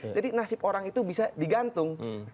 jadi nasib orang itu bisa digantung